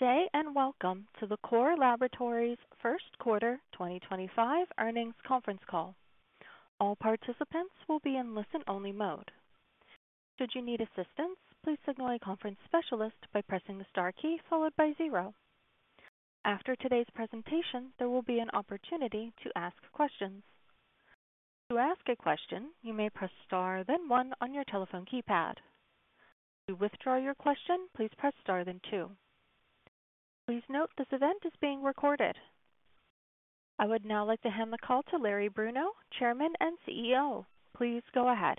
Today, and welcome to the Core Laboratories first quarter 2025 earnings conference call. All participants will be in listen-only mode. Should you need assistance, please signal a conference specialist by pressing the star key followed by zero. After today's presentation, there will be an opportunity to ask questions. To ask a question, you may press star then one on your telephone keypad. To withdraw your question, please press star then two. Please note this event is being recorded. I would now like to hand the call to Larry Bruno, Chairman and CEO. Please go ahead.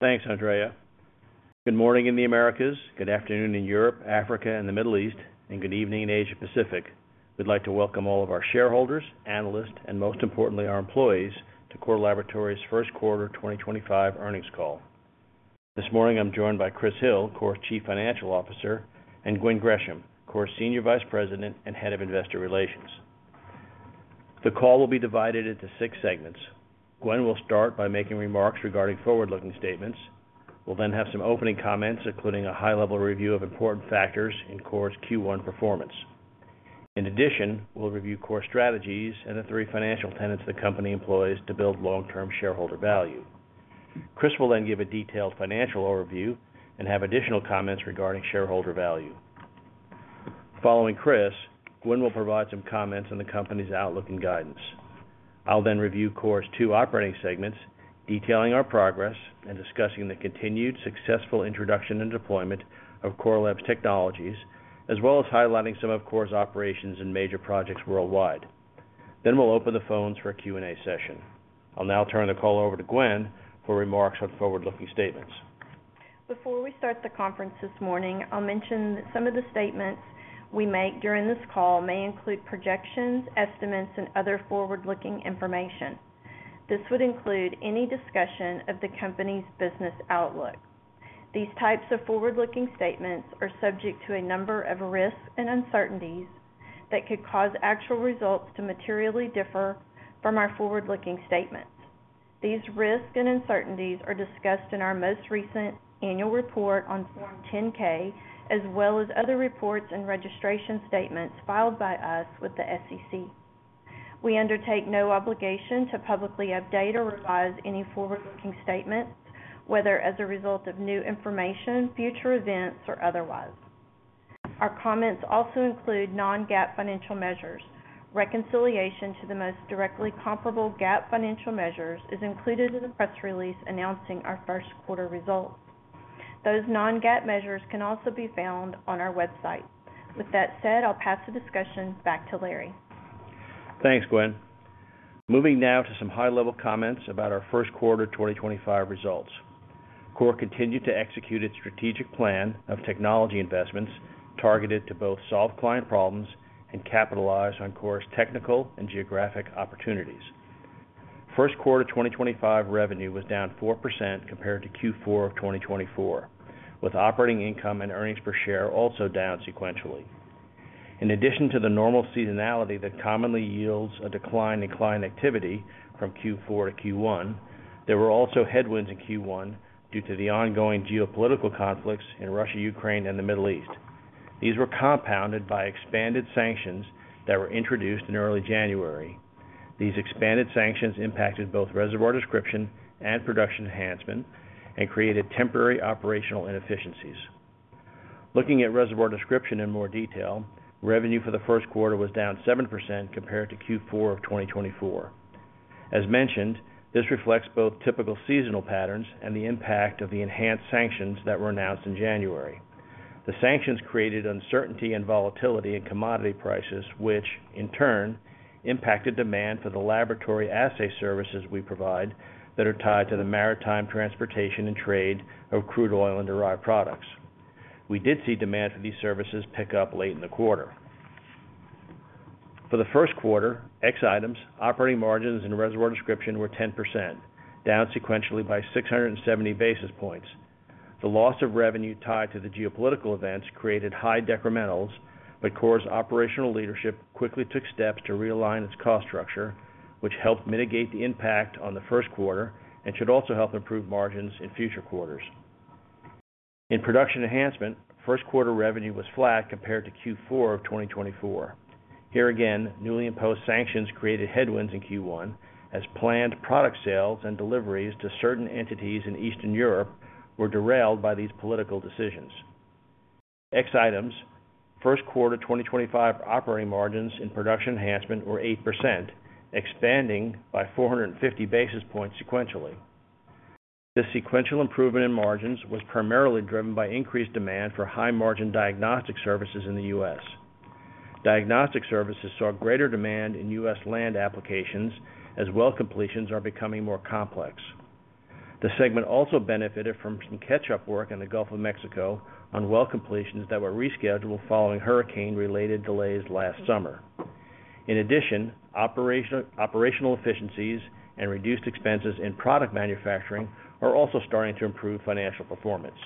Thanks, Andrea. Good morning in the Americas, good afternoon in Europe, Africa, and the Middle East, and good evening in Asia Pacific. We'd like to welcome all of our shareholders, analysts, and most importantly, our employees to Core Laboratories first quarter 2025 earnings call. This morning, I'm joined by Chris Hill, Core Chief Financial Officer, and Gwen Gresham, Core Senior Vice President and Head of Investor Relations. The call will be divided into six segments. Gwen will start by making remarks regarding forward-looking statements. We'll then have some opening comments, including a high-level review of important factors in Core's Q1 performance. In addition, we'll review Core strategies and the three financial tenets the company employs to build long-term shareholder value. Chris will then give a detailed financial overview and have additional comments regarding shareholder value. Following Chris, Gwen will provide some comments on the company's outlook and guidance. I'll then review Core's two operating segments, detailing our progress and discussing the continued successful introduction and deployment of Core Labs technologies, as well as highlighting some of Core's operations and major projects worldwide. We will open the phones for a Q&A session. I'll now turn the call over to Gwen for remarks on forward-looking statements. Before we start the conference this morning, I'll mention that some of the statements we make during this call may include projections, estimates, and other forward-looking information. This would include any discussion of the company's business outlook. These types of forward-looking statements are subject to a number of risks and uncertainties that could cause actual results to materially differ from our forward-looking statements. These risks and uncertainties are discussed in our most recent annual report on Form 10-K, as well as other reports and registration statements filed by us with the SEC. We undertake no obligation to publicly update or revise any forward-looking statements, whether as a result of new information, future events, or otherwise. Our comments also include non-GAAP financial measures. Reconciliation to the most directly comparable GAAP financial measures is included in the press release announcing our first quarter results. Those non-GAAP measures can also be found on our website. With that said, I'll pass the discussion back to Larry. Thanks, Gwen. Moving now to some high-level comments about our first quarter 2025 results. Core continued to execute its strategic plan of technology investments targeted to both solve client problems and capitalize on Core's technical and geographic opportunities. First quarter 2025 revenue was down 4% compared to Q4 of 2024, with operating income and earnings per share also down sequentially. In addition to the normal seasonality that commonly yields a decline in client activity from Q4 to Q1, there were also headwinds in Q1 due to the ongoing geopolitical conflicts in Russia, Ukraine, and the Middle East. These were compounded by expanded sanctions that were introduced in early January. These expanded sanctions impacted both reservoir description and production enhancement and created temporary operational inefficiencies. Looking at reservoir description in more detail, revenue for the first quarter was down 7% compared to Q4 of 2024. As mentioned, this reflects both typical seasonal patterns and the impact of the enhanced sanctions that were announced in January. The sanctions created uncertainty and volatility in commodity prices, which, in turn, impacted demand for the laboratory assay services we provide that are tied to the maritime transportation and trade of crude oil and derived products. We did see demand for these services pick up late in the quarter. For the first quarter, ex-items, operating margins in reservoir description were 10%, down sequentially by 670 basis points. The loss of revenue tied to the geopolitical events created high decrementals, but Core's operational leadership quickly took steps to realign its cost structure, which helped mitigate the impact on the first quarter and should also help improve margins in future quarters. In production enhancement, first quarter revenue was flat compared to Q4 of 2024. Here again, newly imposed sanctions created headwinds in Q1, as planned product sales and deliveries to certain entities in Eastern Europe were derailed by these political decisions. Excluding items, first quarter 2025 operating margins in production enhancement were 8%, expanding by 450 basis points sequentially. This sequential improvement in margins was primarily driven by increased demand for high-margin diagnostic services in the US. Diagnostic services saw greater demand in US land applications, as well completions are becoming more complex. The segment also benefited from some catch-up work in the Gulf of Mexico on well completions that were rescheduled following hurricane-related delays last summer. In addition, operational efficiencies and reduced expenses in product manufacturing are also starting to improve financial performance.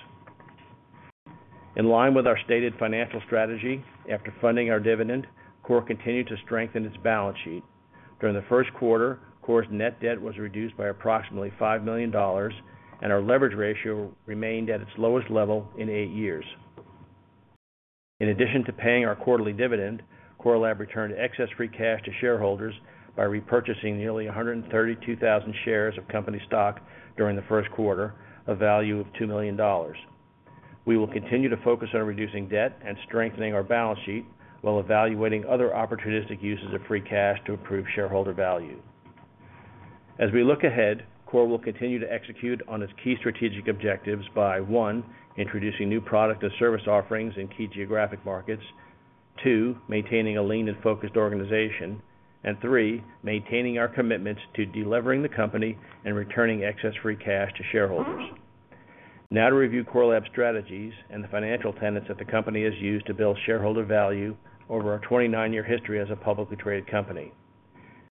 In line with our stated financial strategy, after funding our dividend, Core continued to strengthen its balance sheet. During the first quarter, Core's net debt was reduced by approximately $5 million, and our leverage ratio remained at its lowest level in eight years. In addition to paying our quarterly dividend, Core Lab returned excess free cash to shareholders by repurchasing nearly 132,000 shares of company stock during the first quarter, a value of $2 million. We will continue to focus on reducing debt and strengthening our balance sheet while evaluating other opportunistic uses of free cash to improve shareholder value. As we look ahead, Core will continue to execute on its key strategic objectives by, one, introducing new product and service offerings in key geographic markets, two, maintaining a lean and focused organization, and three, maintaining our commitments to delivering the company and returning excess free cash to shareholders. Now to review Core Laboratories strategies and the financial tenets that the company has used to build shareholder value over our 29-year history as a publicly traded company.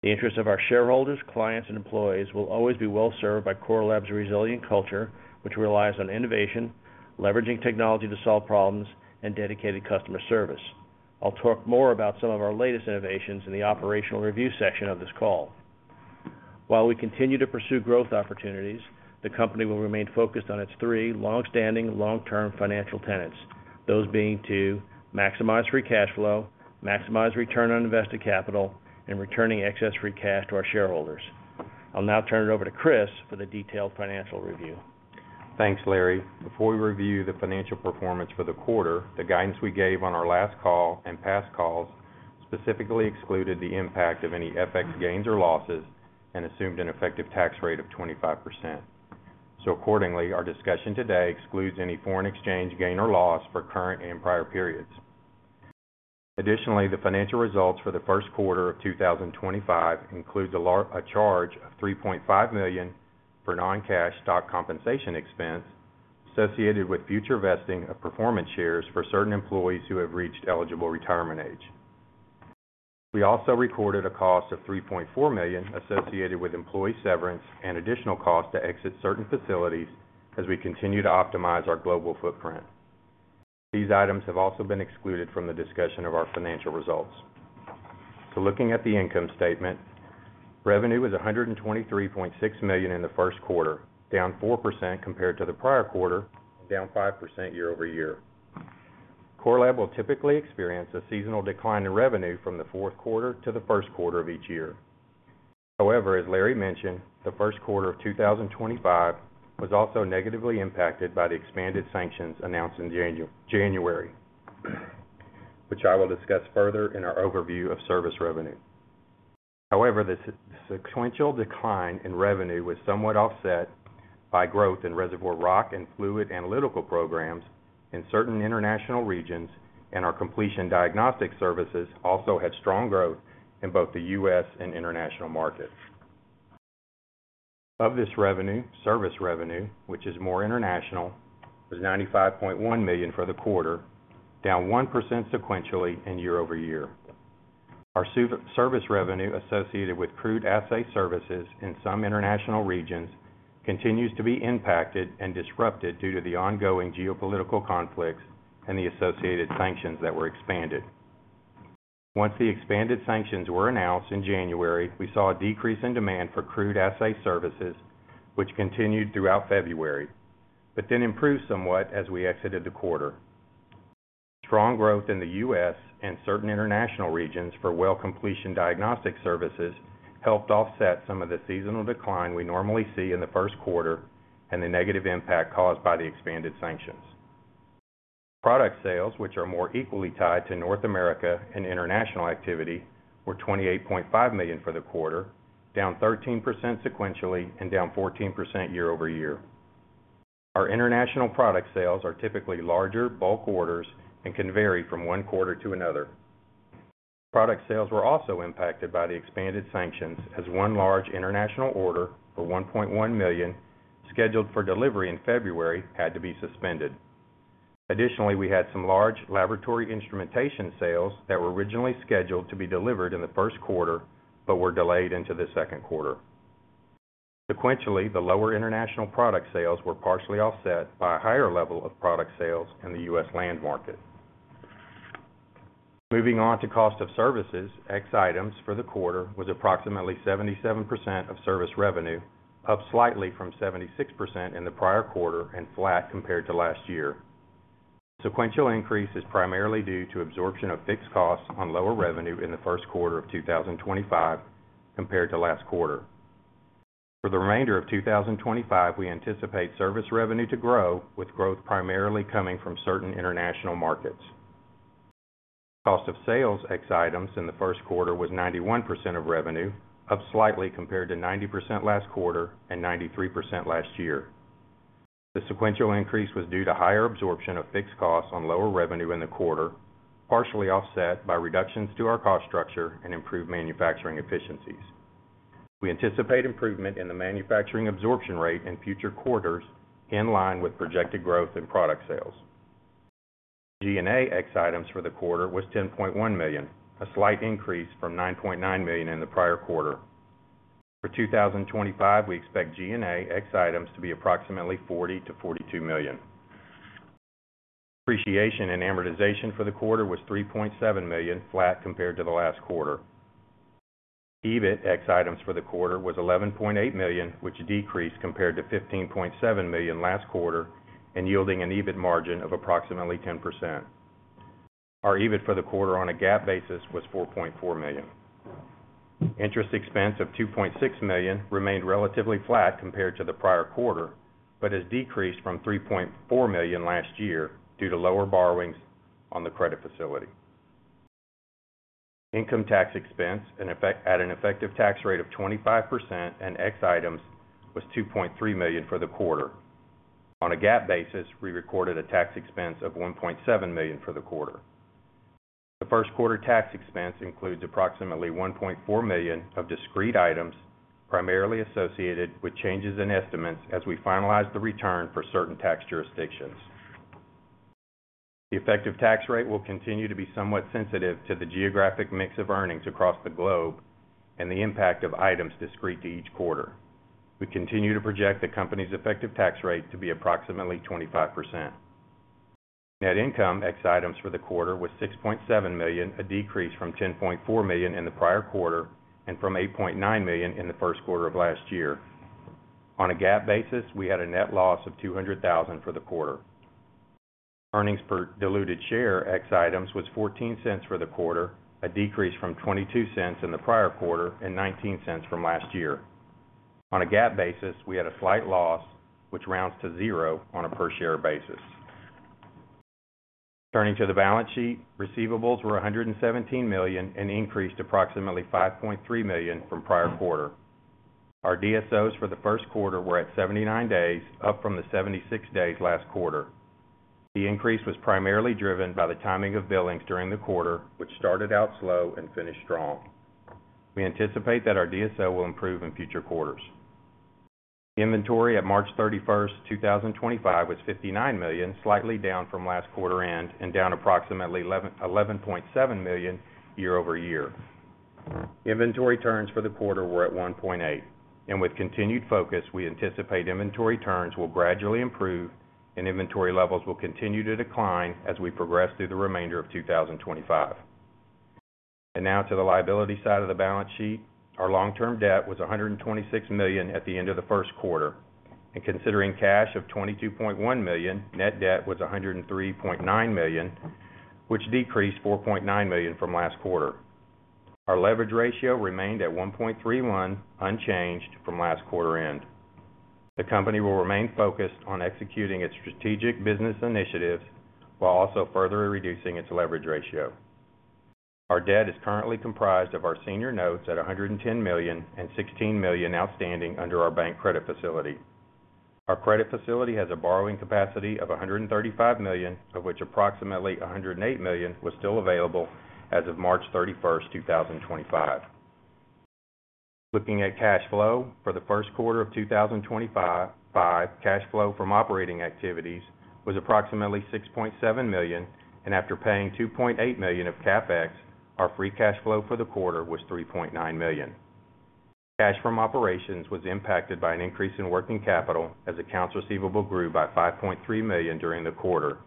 The interests of our shareholders, clients, and employees will always be well served by Core Laboratories' resilient culture, which relies on innovation, leveraging technology to solve problems, and dedicated customer service. I'll talk more about some of our latest innovations in the operational review section of this call. While we continue to pursue growth opportunities, the company will remain focused on its three long-standing, long-term financial tenets, those being to maximize free cash flow, maximize return on invested capital, and returning excess free cash to our shareholders. I'll now turn it over to Chris for the detailed financial review. Thanks, Larry. Before we review the financial performance for the quarter, the guidance we gave on our last call and past calls specifically excluded the impact of any FX gains or losses and assumed an effective tax rate of 25%. Accordingly, our discussion today excludes any foreign exchange gain or loss for current and prior periods. Additionally, the financial results for the first quarter of 2025 include a charge of $3.5 million for non-cash stock compensation expense associated with future vesting of performance shares for certain employees who have reached eligible retirement age. We also recorded a cost of $3.4 million associated with employee severance and additional costs to exit certain facilities as we continue to optimize our global footprint. These items have also been excluded from the discussion of our financial results. Looking at the income statement, revenue was $123.6 million in the first quarter, down 4% compared to the prior quarter, and down 5% year over year. Core Lab will typically experience a seasonal decline in revenue from the fourth quarter to the first quarter of each year. However, as Larry mentioned, the first quarter of 2025 was also negatively impacted by the expanded sanctions announced in January, which I will discuss further in our overview of service revenue. However, the sequential decline in revenue was somewhat offset by growth in reservoir rock and fluid analytical programs in certain international regions, and our completion diagnostic services also had strong growth in both the US and international markets. Of this revenue, service revenue, which is more international, was $95.1 million for the quarter, down 1% sequentially and year over year. Our service revenue associated with crude assay services in some international regions continues to be impacted and disrupted due to the ongoing geopolitical conflicts and the associated sanctions that were expanded. Once the expanded sanctions were announced in January, we saw a decrease in demand for crude assay services, which continued throughout February, but then improved somewhat as we exited the quarter. Strong growth in the US and certain international regions for well completion diagnostic services helped offset some of the seasonal decline we normally see in the first quarter and the negative impact caused by the expanded sanctions. Product sales, which are more equally tied to North America and international activity, were $28.5 million for the quarter, down 13% sequentially and down 14% year over year. Our international product sales are typically larger, bulk orders, and can vary from one quarter to another. Product sales were also impacted by the expanded sanctions as one large international order for $1.1 million scheduled for delivery in February had to be suspended. Additionally, we had some large laboratory instrumentation sales that were originally scheduled to be delivered in the first quarter but were delayed into the second quarter. Sequentially, the lower international product sales were partially offset by a higher level of product sales in the US land market. Moving on to cost of services, ex-items for the quarter was approximately 77% of service revenue, up slightly from 76% in the prior quarter and flat compared to last year. Sequential increase is primarily due to absorption of fixed costs on lower revenue in the first quarter of 2025 compared to last quarter. For the remainder of 2025, we anticipate service revenue to grow, with growth primarily coming from certain international markets. Cost of sales, ex-items in the first quarter, was 91% of revenue, up slightly compared to 90% last quarter and 93% last year. The sequential increase was due to higher absorption of fixed costs on lower revenue in the quarter, partially offset by reductions to our cost structure and improved manufacturing efficiencies. We anticipate improvement in the manufacturing absorption rate in future quarters in line with projected growth in product sales. G&A ex-items for the quarter was $10.1 million, a slight increase from $9.9 million in the prior quarter. For 2025, we expect G&A ex-items to be approximately $40-$42 million. Depreciation and amortization for the quarter was $3.7 million, flat compared to the last quarter. EBIT ex-items for the quarter was $11.8 million, which decreased compared to $15.7 million last quarter and yielding an EBIT margin of approximately 10%. Our EBIT for the quarter on a GAAP basis was $4.4 million. Interest expense of $2.6 million remained relatively flat compared to the prior quarter but has decreased from $3.4 million last year due to lower borrowings on the credit facility. Income tax expense at an effective tax rate of 25% and ex-items was $2.3 million for the quarter. On a GAAP basis, we recorded a tax expense of $1.7 million for the quarter. The first quarter tax expense includes approximately $1.4 million of discrete items primarily associated with changes in estimates as we finalize the return for certain tax jurisdictions. The effective tax rate will continue to be somewhat sensitive to the geographic mix of earnings across the globe and the impact of items discrete to each quarter. We continue to project the company's effective tax rate to be approximately 25%. Net income excluding items for the quarter was $6.7 million, a decrease from $10.4 million in the prior quarter and from $8.9 million in the first quarter of last year. On a GAAP basis, we had a net loss of $200,000 for the quarter. Earnings per diluted share excluding items was $0.14 for the quarter, a decrease from $0.22 in the prior quarter and $0.19 from last year. On a GAAP basis, we had a slight loss, which rounds to zero on a per-share basis. Turning to the balance sheet, receivables were $117 million and increased approximately $5.3 million from the prior quarter. Our DSOs for the first quarter were at 79 days, up from the 76 days last quarter. The increase was primarily driven by the timing of billings during the quarter, which started out slow and finished strong. We anticipate that our DSO will improve in future quarters. Inventory at March 31, 2025, was $59 million, slightly down from last quarter end and down approximately $11.7 million year over year. Inventory turns for the quarter were at 1.8. With continued focus, we anticipate inventory turns will gradually improve and inventory levels will continue to decline as we progress through the remainder of 2025. Now to the liability side of the balance sheet, our long-term debt was $126 million at the end of the first quarter. Considering cash of $22.1 million, net debt was $103.9 million, which decreased $4.9 million from last quarter. Our leverage ratio remained at 1.31, unchanged from last quarter end. The company will remain focused on executing its strategic business initiatives while also further reducing its leverage ratio. Our debt is currently comprised of our senior notes at $110 million and $16 million outstanding under our bank credit facility. Our credit facility has a borrowing capacity of $135 million, of which approximately $108 million was still available as of March 31, 2025. Looking at cash flow for the first quarter of 2025, cash flow from operating activities was approximately $6.7 million, and after paying $2.8 million of CapEx, our free cash flow for the quarter was $3.9 million. Cash from operations was impacted by an increase in working capital as accounts receivable grew by $5.3 million during the quarter.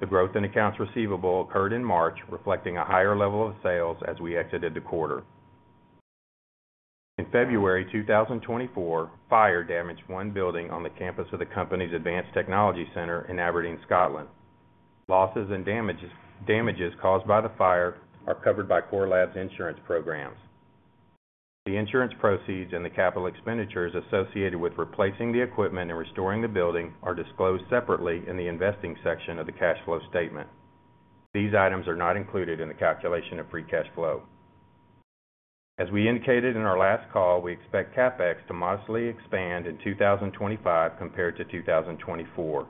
The growth in accounts receivable occurred in March, reflecting a higher level of sales as we exited the quarter. In February 2024, fire damaged one building on the campus of the company's Advanced Technology Center in Aberdeen, Scotland. Losses and damages caused by the fire are covered by Core Laboratories' insurance programs. The insurance proceeds and the capital expenditures associated with replacing the equipment and restoring the building are disclosed separately in the investing section of the cash flow statement. These items are not included in the calculation of free cash flow. As we indicated in our last call, we expect CapEx to modestly expand in 2025 compared to 2024,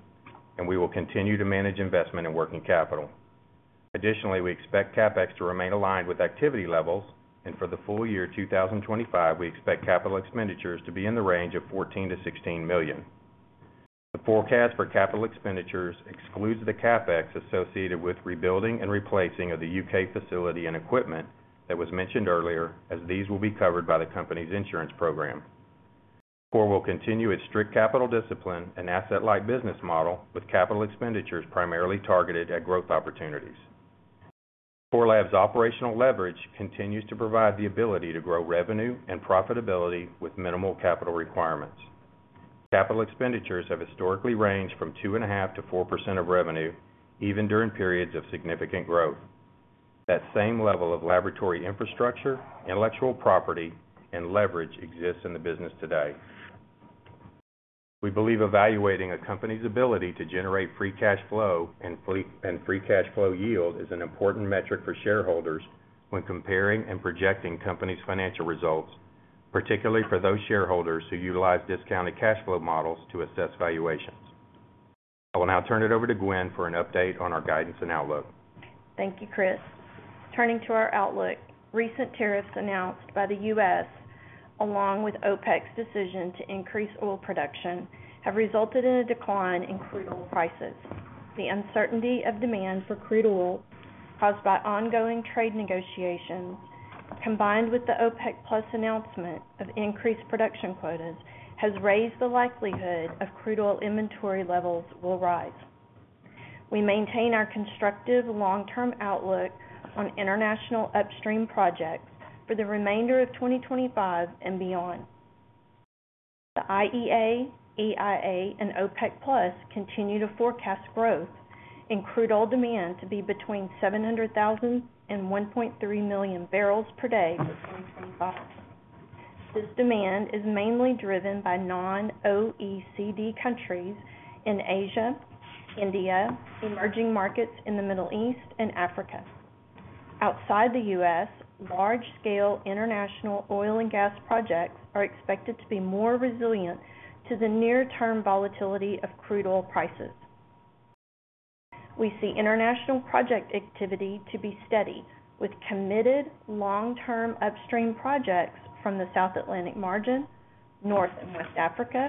and we will continue to manage investment and working capital. Additionally, we expect CapEx to remain aligned with activity levels, and for the full year 2025, we expect capital expenditures to be in the range of $14-$16 million. The forecast for capital expenditures excludes the CapEx associated with rebuilding and replacing of the U.K. facility and equipment that was mentioned earlier, as these will be covered by the company's insurance program. Core will continue its strict capital discipline and asset-light business model with capital expenditures primarily targeted at growth opportunities. Core Labs' operational leverage continues to provide the ability to grow revenue and profitability with minimal capital requirements. Capital expenditures have historically ranged from 2.5% to 4% of revenue, even during periods of significant growth. That same level of laboratory infrastructure, intellectual property, and leverage exists in the business today. We believe evaluating a company's ability to generate free cash flow and free cash flow yield is an important metric for shareholders when comparing and projecting companies' financial results, particularly for those shareholders who utilize discounted cash flow models to assess valuations. I will now turn it over to Gwen for an update on our guidance and outlook. Thank you, Chris. Turning to our outlook, recent tariffs announced by the US, along with OPEC+'s decision to increase oil production, have resulted in a decline in crude oil prices. The uncertainty of demand for crude oil, caused by ongoing trade negotiations, combined with the OPEC+ announcement of increased production quotas, has raised the likelihood of crude oil inventory levels will rise. We maintain our constructive long-term outlook on international upstream projects for the remainder of 2025 and beyond. The IEA, EIA, and OPEC+ continue to forecast growth in crude oil demand to be between 700,000 and 1.3 million barrels per day for 2025. This demand is mainly driven by non-OECD countries in Asia, India, emerging markets in the Middle East, and Africa. Outside the US, large-scale international oil and gas projects are expected to be more resilient to the near-term volatility of crude oil prices. We see international project activity to be steady, with committed long-term upstream projects from the South Atlantic margin, North and West Africa,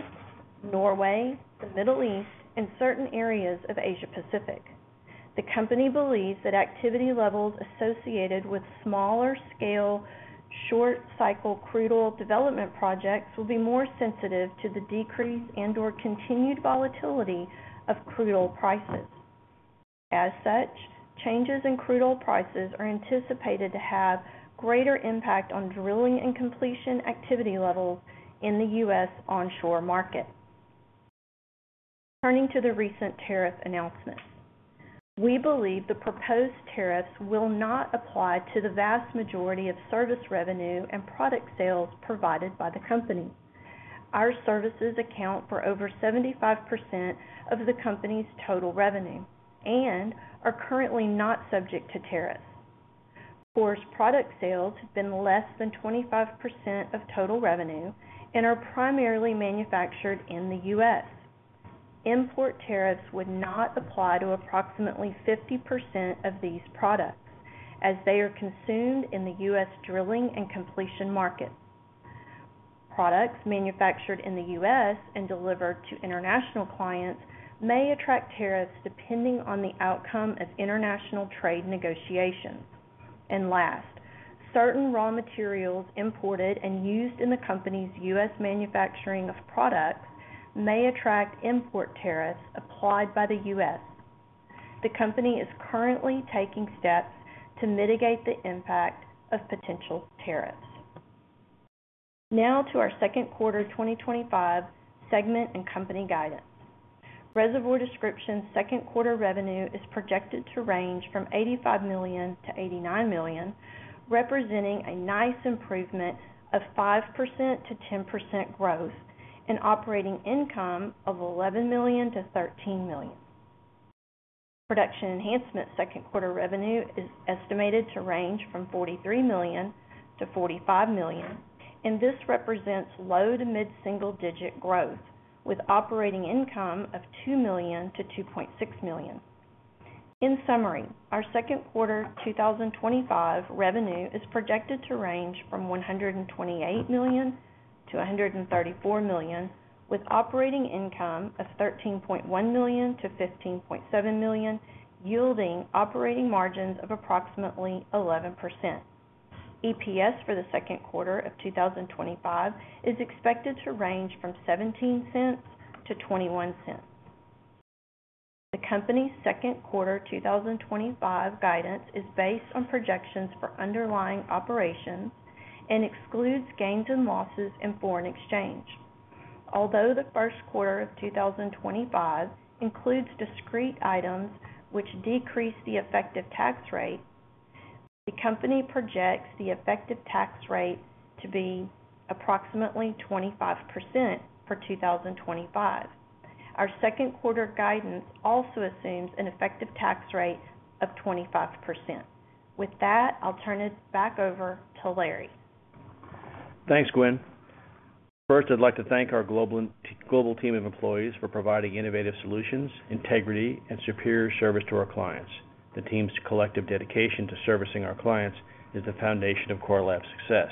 Norway, the Middle East, and certain areas of Asia-Pacific. The company believes that activity levels associated with smaller-scale, short-cycle crude oil development projects will be more sensitive to the decrease and/or continued volatility of crude oil prices. As such, changes in crude oil prices are anticipated to have greater impact on drilling and completion activity levels in the U.S. onshore market. Turning to the recent tariff announcements, we believe the proposed tariffs will not apply to the vast majority of service revenue and product sales provided by the company. Our services account for over 75% of the company's total revenue and are currently not subject to tariffs. Core's product sales have been less than 25% of total revenue and are primarily manufactured in the U.S. Import tariffs would not apply to approximately 50% of these products, as they are consumed in the US drilling and completion market. Products manufactured in the US and delivered to international clients may attract tariffs depending on the outcome of international trade negotiations. Last, certain raw materials imported and used in the company's US manufacturing of products may attract import tariffs applied by the US. The company is currently taking steps to mitigate the impact of potential tariffs. Now to our second quarter 2025 segment and company guidance. Reservoir description second quarter revenue is projected to range from $85 million-$89 million, representing a nice improvement of 5%-10% growth and operating income of $11 million-$13 million. Production enhancement second quarter revenue is estimated to range from $43 million-$45 million, and this represents low to mid-single-digit growth with operating income of $2 million-$2.6 million. In summary, our second quarter 2025 revenue is projected to range from $128 million-$134 million, with operating income of $13.1 million-$15.7 million, yielding operating margins of approximately 11%. EPS for the second quarter of 2025 is expected to range from $0.17-$0.21. The company's second quarter 2025 guidance is based on projections for underlying operations and excludes gains and losses in foreign exchange. Although the first quarter of 2025 includes discrete items which decrease the effective tax rate, the company projects the effective tax rate to be approximately 25% for 2025. Our second quarter guidance also assumes an effective tax rate of 25%. With that, I'll turn it back over to Larry. Thanks, Gwen. First, I'd like to thank our global team of employees for providing innovative solutions, integrity, and superior service to our clients. The team's collective dedication to servicing our clients is the foundation of Core Laboratories' success.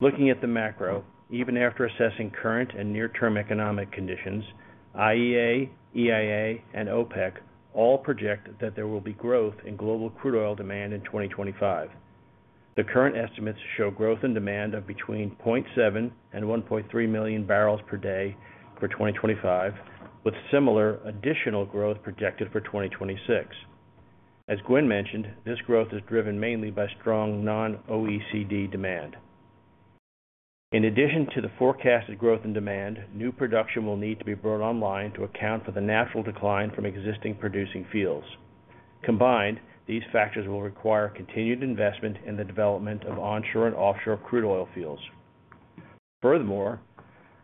Looking at the macro, even after assessing current and near-term economic conditions, IEA, EIA, and OPEC all project that there will be growth in global crude oil demand in 2025. The current estimates show growth in demand of between 0.7 million and 1.3 million barrels per day for 2025, with similar additional growth projected for 2026. As Gwen mentioned, this growth is driven mainly by strong non-OECD demand. In addition to the forecasted growth in demand, new production will need to be brought online to account for the natural decline from existing producing fields. Combined, these factors will require continued investment in the development of onshore and offshore crude oil fields. Furthermore,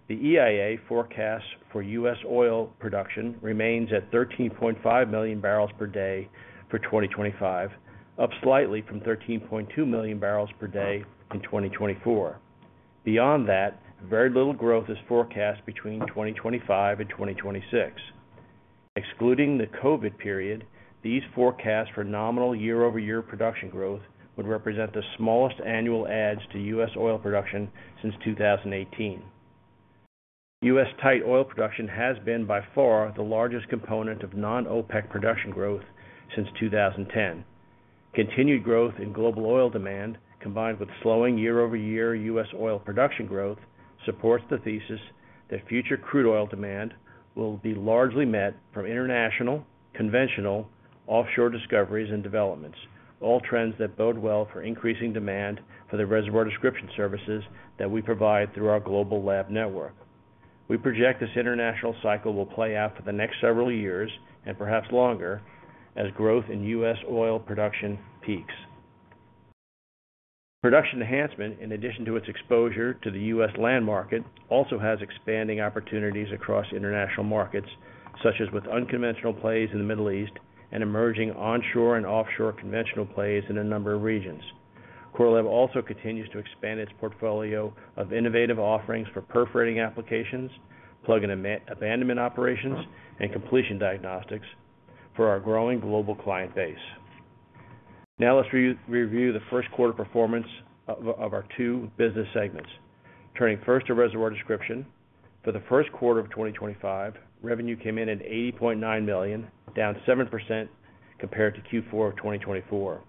the EIA forecast for US oil production remains at 13.5 million barrels per day for 2025, up slightly from 13.2 million barrels per day in 2024. Beyond that, very little growth is forecast between 2025 and 2026. Excluding the COVID period, these forecasts for nominal year-over-year production growth would represent the smallest annual adds to US oil production since 2018. US tight oil production has been, by far, the largest component of non-OPEC production growth since 2010. Continued growth in global oil demand, combined with slowing year-over-year US oil production growth, supports the thesis that future crude oil demand will be largely met from international, conventional, offshore discoveries and developments, all trends that bode well for increasing demand for the reservoir description services that we provide through our global lab network. We project this international cycle will play out for the next several years and perhaps longer as growth in US oil production peaks. Production enhancement, in addition to its exposure to the US land market, also has expanding opportunities across international markets, such as with unconventional plays in the Middle East and emerging onshore and offshore conventional plays in a number of regions. Core Lab also continues to expand its portfolio of innovative offerings for perforating applications, plug and abandonment operations, and completion diagnostics for our growing global client base. Now let's review the first quarter performance of our two business segments. Turning first to reservoir description, for the first quarter of 2025, revenue came in at $80.9 million, down 7% compared to Q4 of 2024.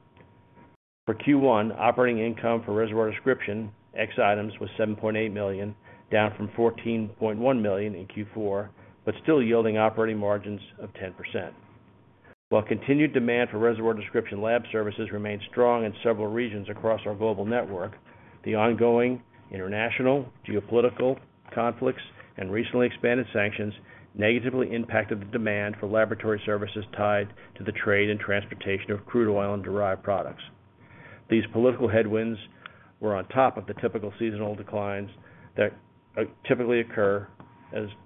For Q1, operating income for reservoir description, ex-items, was $7.8 million, down from $14.1 million in Q4, but still yielding operating margins of 10%. While continued demand for reservoir description lab services remained strong in several regions across our global network, the ongoing international geopolitical conflicts and recently expanded sanctions negatively impacted the demand for laboratory services tied to the trade and transportation of crude oil and derived products. These political headwinds were on top of the typical seasonal declines that typically occur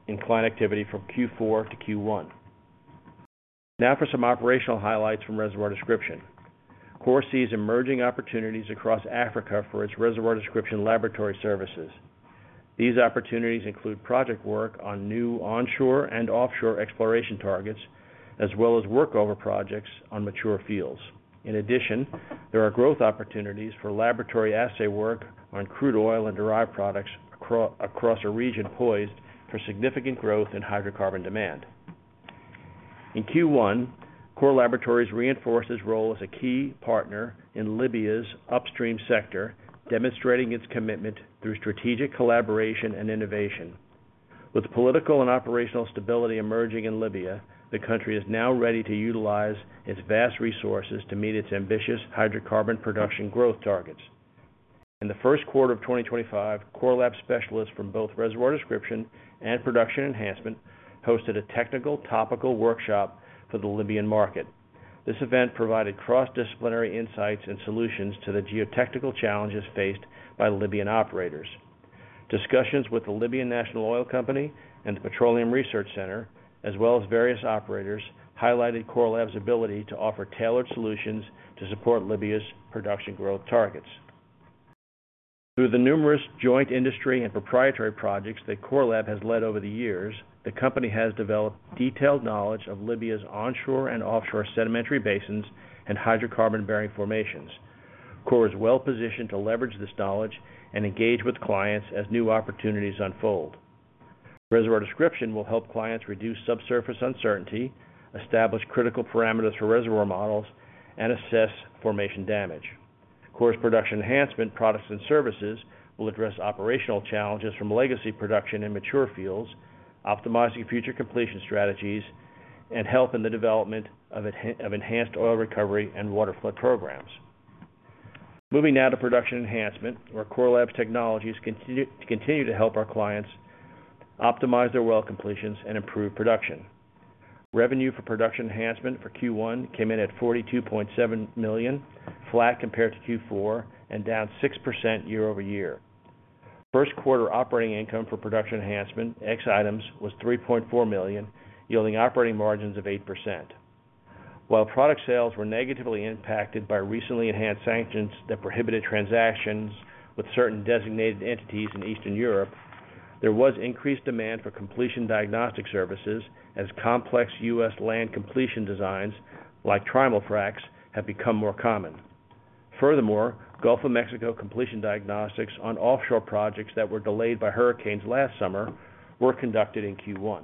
in client activity from Q4 to Q1. Now for some operational highlights from reservoir description. Core sees emerging opportunities across Africa for its reservoir description laboratory services. These opportunities include project work on new onshore and offshore exploration targets, as well as workover projects on mature fields. In addition, there are growth opportunities for laboratory assay work on crude oil and derived products across a region poised for significant growth in hydrocarbon demand. In Q1, Core Laboratories reinforced its role as a key partner in Libya's upstream sector, demonstrating its commitment through strategic collaboration and innovation. With political and operational stability emerging in Libya, the country is now ready to utilize its vast resources to meet its ambitious hydrocarbon production growth targets. In the first quarter of 2025, Core Laboratories specialists from both reservoir description and production enhancement hosted a technical topical workshop for the Libyan market. This event provided cross-disciplinary insights and solutions to the geotechnical challenges faced by Libyan operators. Discussions with the Libyan National Oil Company and the Petroleum Research Center, as well as various operators, highlighted Core Laboratories' ability to offer tailored solutions to support Libya's production growth targets. Through the numerous joint industry and proprietary projects that Core Laboratories has led over the years, the company has developed detailed knowledge of Libya's onshore and offshore sedimentary basins and hydrocarbon-bearing formations. Core is well-positioned to leverage this knowledge and engage with clients as new opportunities unfold. Reservoir description will help clients reduce subsurface uncertainty, establish critical parameters for reservoir models, and assess formation damage. Core's production enhancement products and services will address operational challenges from legacy production in mature fields, optimizing future completion strategies, and help in the development of enhanced oil recovery and water flood programs. Moving now to production enhancement, where Core Laboratories' technologies continue to help our clients optimize their oil completions and improve production. Revenue for production enhancement for Q1 came in at $42.7 million, flat compared to Q4, and down 6% year-over-year. First quarter operating income for production enhancement, excluding items, was $3.4 million, yielding operating margins of 8%. While product sales were negatively impacted by recently enhanced sanctions that prohibited transactions with certain designated entities in Eastern Europe, there was increased demand for completion diagnostic services as complex US land completion designs like trilateral fracs have become more common. Furthermore, Gulf of Mexico completion diagnostics on offshore projects that were delayed by hurricanes last summer were conducted in Q1.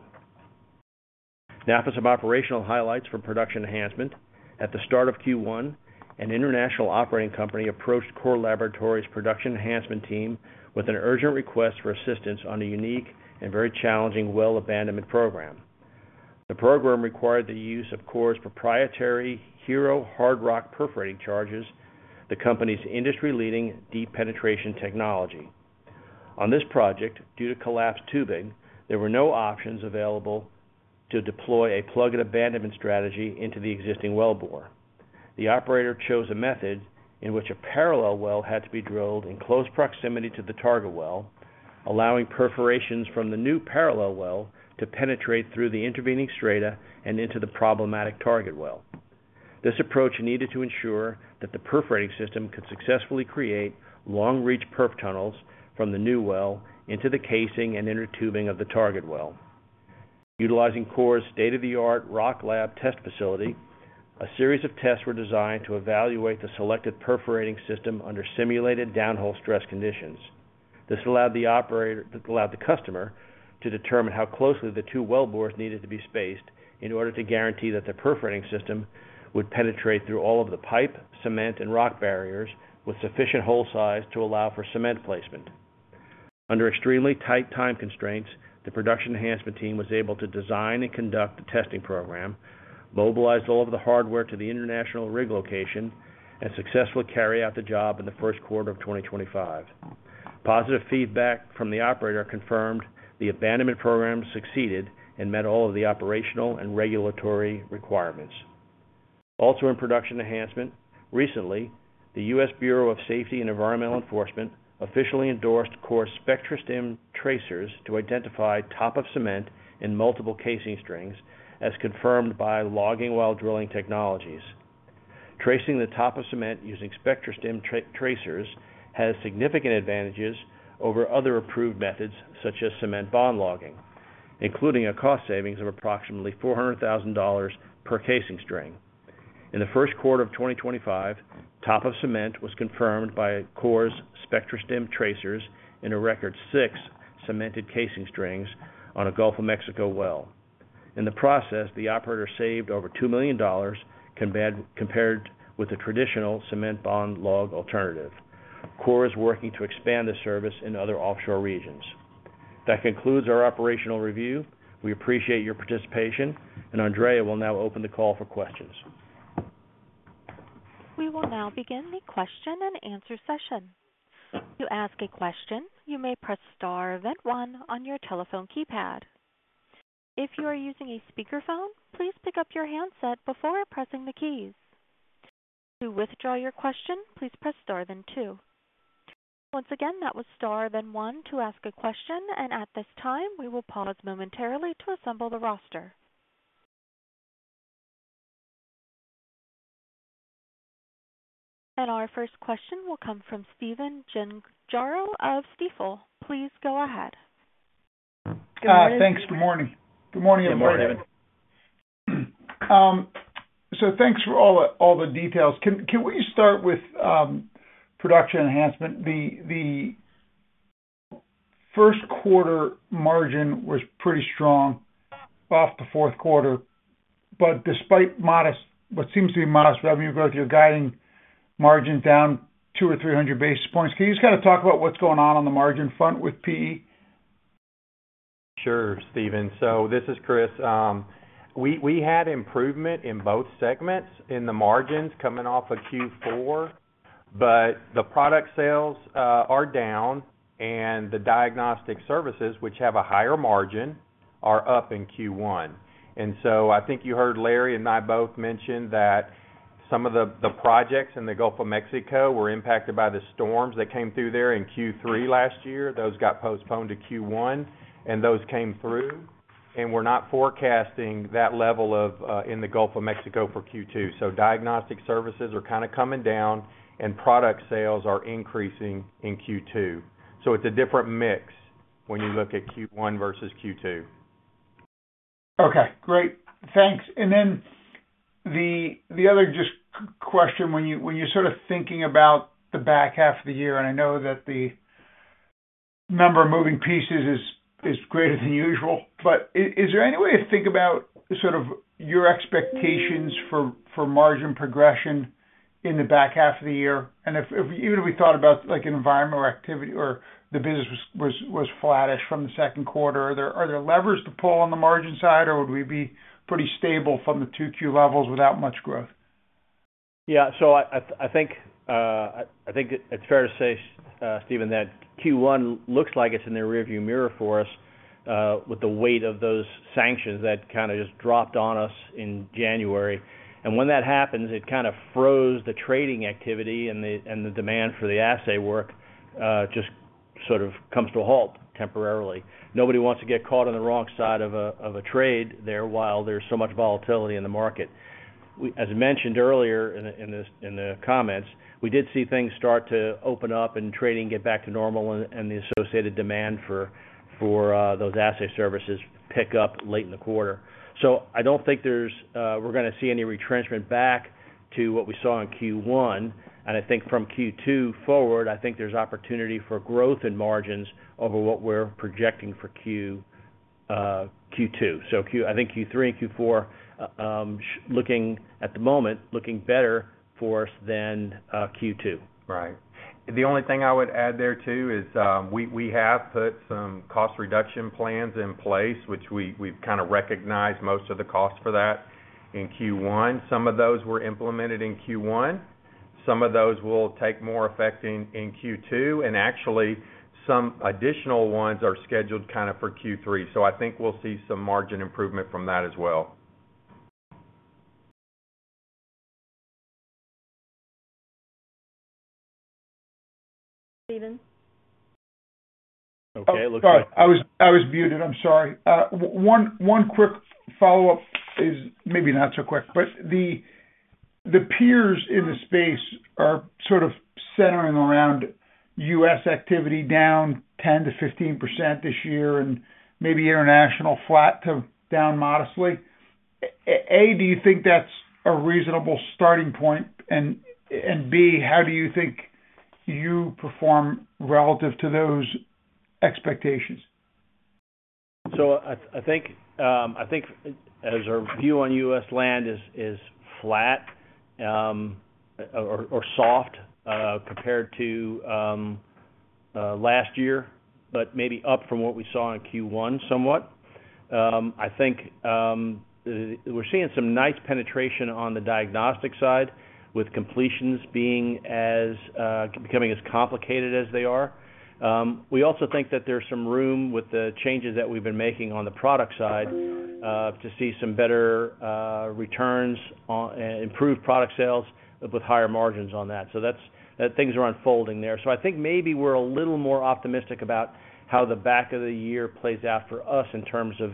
Now for some operational highlights from production enhancement. At the start of Q1, an international operating company approached Core Laboratories' production enhancement team with an urgent request for assistance on a unique and very challenging well abandonment program. The program required the use of Core's proprietary HERO hard rock perforating charges, the company's industry-leading deep penetration technology. On this project, due to collapsed tubing, there were no options available to deploy a plug and abandonment strategy into the existing well bore. The operator chose a method in which a parallel well had to be drilled in close proximity to the target well, allowing perforations from the new parallel well to penetrate through the intervening strata and into the problematic target well. This approach needed to ensure that the perforating system could successfully create long-reach perf tunnels from the new well into the casing and inner tubing of the target well. Utilizing Core's state-of-the-art Rock Lab test facility, a series of tests were designed to evaluate the selected perforating system under simulated downhole stress conditions. This allowed the customer to determine how closely the two well bores needed to be spaced in order to guarantee that the perforating system would penetrate through all of the pipe, cement, and rock barriers with sufficient hole size to allow for cement placement. Under extremely tight time constraints, the production enhancement team was able to design and conduct the testing program, mobilize all of the hardware to the international rig location, and successfully carry out the job in the first quarter of 2025. Positive feedback from the operator confirmed the abandonment program succeeded and met all of the operational and regulatory requirements. Also in production enhancement, recently, the US Bureau of Safety and Environmental Enforcement officially endorsed Core's SpectraStim tracers to identify top of cement in multiple casing strings, as confirmed by logging while drilling technologies. Tracing the top of cement using SpectraStim tracers has significant advantages over other approved methods, such as cement bond logging, including a cost savings of approximately $400,000 per casing string. In the first quarter of 2025, top of cement was confirmed by Core's SpectraStim tracers in a record six cemented casing strings on a Gulf of Mexico well. In the process, the operator saved over $2 million compared with a traditional cement bond log alternative. Core is working to expand the service in other offshore regions. That concludes our operational review. We appreciate your participation, and Andrea will now open the call for questions. We will now begin the question and answer session. To ask a question, you may press star then one on your telephone keypad. If you are using a speakerphone, please pick up your handset before pressing the keys. To withdraw your question, please press star then two. Once again, that was star then one to ask a question, and at this time, we will pause momentarily to assemble the roster. Our first question will come from Stephen Gengaro of Stifel. Please go ahead. Thanks. Good morning. Good morning, everybody. Good morning, Stephen. Thanks for all the details. Can we start with production enhancement? The first quarter margin was pretty strong off the fourth quarter, but despite what seems to be modest revenue growth, you're guiding margins down two or three hundred basis points. Can you just kind of talk about what's going on on the margin front with PE? Sure, Stephen. This is Chris. We had improvement in both segments in the margins coming off of Q4, but the product sales are down, and the diagnostic services, which have a higher margin, are up in Q1. I think you heard Larry and I both mention that some of the projects in the Gulf of Mexico were impacted by the storms that came through there in Q3 last year. Those got postponed to Q1, and those came through, and we're not forecasting that level in the Gulf of Mexico for Q2. Diagnostic services are kind of coming down, and product sales are increasing in Q2. It is a different mix when you look at Q1 versus Q2. Okay. Great. Thanks. Then the other just question, when you're sort of thinking about the back half of the year, and I know that the number of moving pieces is greater than usual, is there any way to think about sort of your expectations for margin progression in the back half of the year? Even if we thought about environmental activity or the business was flattish from the second quarter, are there levers to pull on the margin side, or would we be pretty stable from the 2Q levels without much growth? Yeah. I think it's fair to say, Stephen, that Q1 looks like it's in the rearview mirror for us with the weight of those sanctions that kind of just dropped on us in January. When that happens, it kind of froze the trading activity, and the demand for the assay work just sort of comes to a halt temporarily. Nobody wants to get caught on the wrong side of a trade there while there's so much volatility in the market. As mentioned earlier in the comments, we did see things start to open up and trading get back to normal, and the associated demand for those assay services pick up late in the quarter. I don't think we're going to see any retrenchment back to what we saw in Q1. I think from Q2 forward, I think there is opportunity for growth in margins over what we are projecting for Q2. I think Q3 and Q4, looking at the moment, are looking better for us than Q2. The only thing I would add there too is we have put some cost reduction plans in place, which we have kind of recognized most of the cost for that in Q1. Some of those were implemented in Q1. Some of those will take more effect in Q2. Actually, some additional ones are scheduled for Q3. I think we will see some margin improvement from that as well. Stephen? Okay. Looks like. I was muted. I'm sorry. One quick follow-up is maybe not so quick, but the peers in the space are sort of centering around US activity down 10-15% this year and maybe international flat to down modestly. A, do you think that's a reasonable starting point? B, how do you think you perform relative to those expectations? I think as our view on US land is flat or soft compared to last year, but maybe up from what we saw in Q1 somewhat. I think we're seeing some nice penetration on the diagnostic side with completions becoming as complicated as they are. We also think that there's some room with the changes that we've been making on the product side to see some better returns and improved product sales with higher margins on that. Things are unfolding there. I think maybe we're a little more optimistic about how the back of the year plays out for us in terms of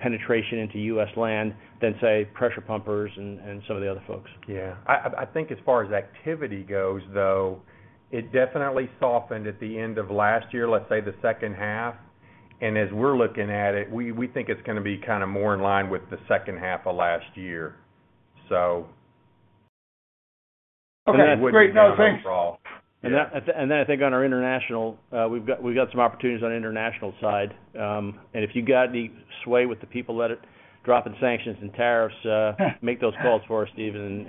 penetration into US land than, say, pressure pumpers and some of the other folks. I think as far as activity goes, though, it definitely softened at the end of last year, let's say the second half. As we're looking at it, we think it's going to be kind of more in line with the second half of last year. Okay. Great. Thanks. I think on our international, we've got some opportunities on the international side. If you got any sway with the people, let it drop in sanctions and tariffs, make those calls for us, Stephen.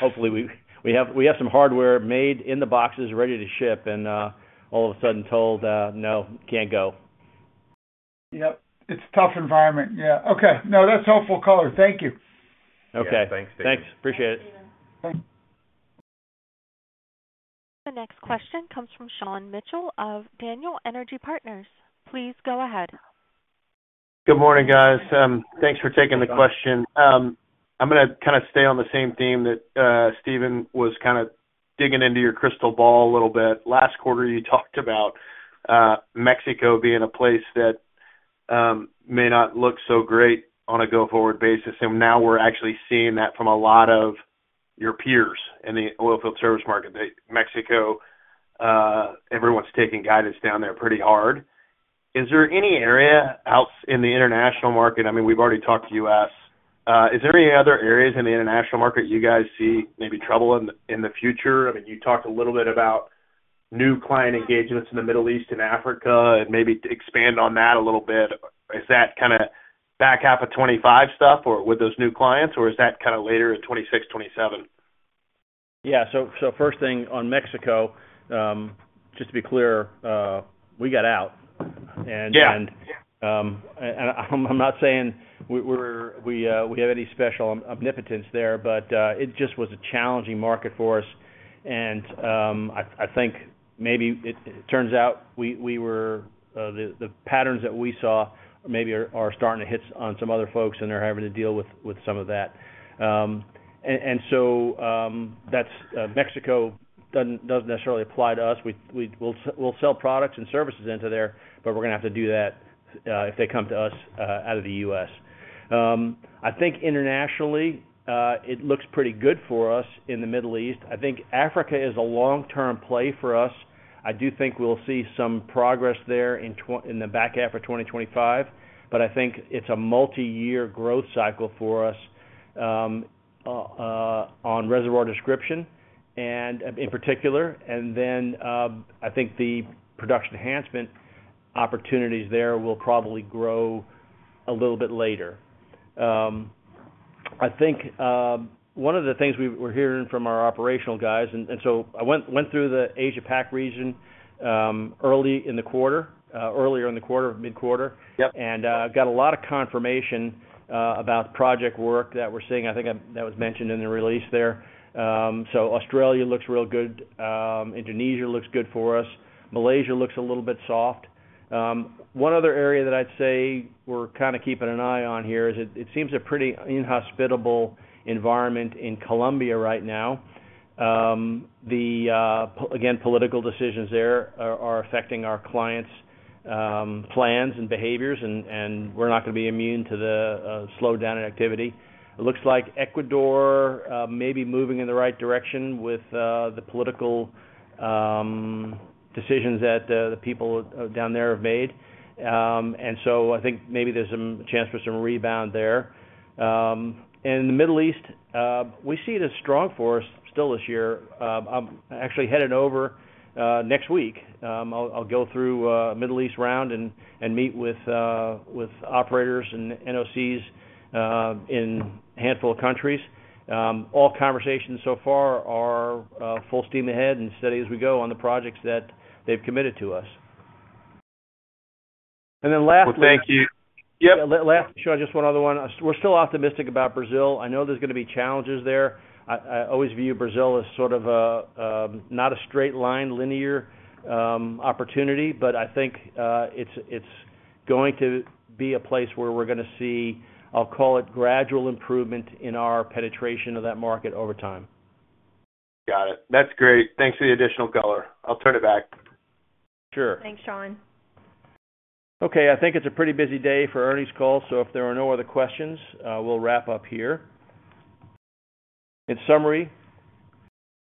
Hopefully, we have some hardware made in the boxes, ready to ship, and all of a sudden told, "No, can't go. Yep. It's a tough environment. Yeah. Okay. No, that's hopeful color. Thank you. Okay. Thanks, Stephen. Thanks. Appreciate it. The next question comes from Sean Mitchell of Daniel Energy Partners. Please go ahead. Good morning, guys. Thanks for taking the question. I'm going to kind of stay on the same theme that Stephen was kind of digging into your crystal ball a little bit. Last quarter, you talked about Mexico being a place that may not look so great on a go-forward basis. And now we're actually seeing that from a lot of your peers in the oil field service market. Mexico, everyone's taking guidance down there pretty hard. Is there any area else in the international market? I mean, we've already talked to US. Is there any other areas in the international market you guys see maybe trouble in the future? I mean, you talked a little bit about new client engagements in the Middle East and Africa and maybe expand on that a little bit. Is that kind of back half of 2025 stuff or with those new clients, or is that kind of later in 2026, 2027? Yeah. First thing on Mexico, just to be clear, we got out. I'm not saying we have any special omnipotence there, but it just was a challenging market for us. I think maybe it turns out the patterns that we saw maybe are starting to hit on some other folks, and they're having to deal with some of that. Mexico doesn't necessarily apply to us. We'll sell products and services into there, but we're going to have to do that if they come to us out of the US. I think internationally, it looks pretty good for us in the Middle East. I think Africa is a long-term play for us. I do think we'll see some progress there in the back half of 2025, but I think it's a multi-year growth cycle for us on reservoir description in particular. I think the production enhancement opportunities there will probably grow a little bit later. I think one of the things we're hearing from our operational guys, and I went through the Asia-Pacific region earlier in the quarter, mid-quarter, and got a lot of confirmation about project work that we're seeing. I think that was mentioned in the release there. Australia looks real good. Indonesia looks good for us. Malaysia looks a little bit soft. One other area that I'd say we're kind of keeping an eye on here is it seems a pretty inhospitable environment in Colombia right now. Again, political decisions there are affecting our clients' plans and behaviors, and we're not going to be immune to the slowdown in activity. It looks like Ecuador may be moving in the right direction with the political decisions that the people down there have made. I think maybe there's a chance for some rebound there. In the Middle East, we see it as strong for us still this year. I'm actually headed over next week. I'll go through a Middle East round and meet with operators and NOCs in a handful of countries. All conversations so far are full steam ahead and steady as we go on the projects that they've committed to us. Lastly. Thank you. Yep. Lastly, Sean, just one other one. We're still optimistic about Brazil. I know there's going to be challenges there. I always view Brazil as sort of not a straight line, linear opportunity, but I think it's going to be a place where we're going to see, I'll call it, gradual improvement in our penetration of that market over time. Got it. That's great. Thanks for the additional color. I'll turn it back. Sure. Thanks, Sean. Okay. I think it's a pretty busy day for earnings calls, so if there are no other questions, we'll wrap up here. In summary,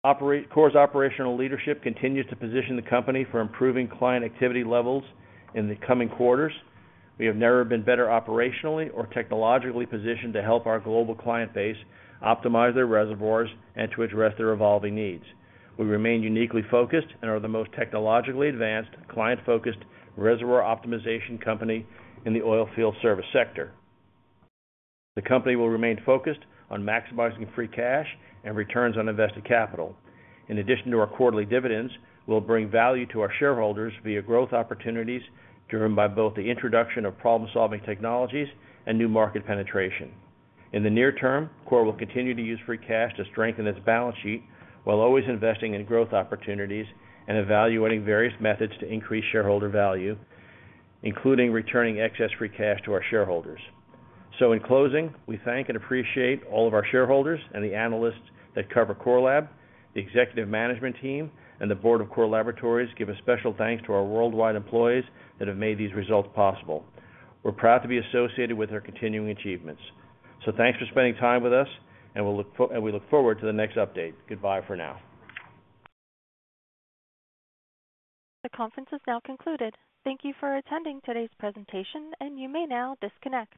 Core's operational leadership continues to position the company for improving client activity levels in the coming quarters. We have never been better operationally or technologically positioned to help our global client base optimize their reservoirs and to address their evolving needs. We remain uniquely focused and are the most technologically advanced client-focused reservoir optimization company in the oil field service sector. The company will remain focused on maximizing free cash and returns on invested capital. In addition to our quarterly dividends, we'll bring value to our shareholders via growth opportunities driven by both the introduction of problem-solving technologies and new market penetration. In the near term, Core will continue to use free cash to strengthen its balance sheet while always investing in growth opportunities and evaluating various methods to increase shareholder value, including returning excess free cash to our shareholders. In closing, we thank and appreciate all of our shareholders and the analysts that cover Core Lab, the executive management team, and the board of Core Laboratories give a special thanks to our worldwide employees that have made these results possible. We're proud to be associated with their continuing achievements. Thanks for spending time with us, and we look forward to the next update. Goodbye for now. The conference is now concluded. Thank you for attending today's presentation, and you may now disconnect.